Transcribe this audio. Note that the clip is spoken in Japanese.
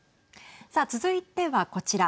さあ、続いてはこちら。